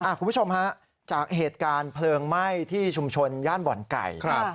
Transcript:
คุณผู้ชมฮะจากเหตุการณ์เพลิงไหม้ที่ชุมชนย่านบ่อนไก่ครับ